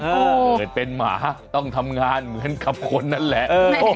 เหมือนเป็นหมาต้องทำงานเหมือนกับคนนั่นแหละ